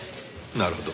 なるほど。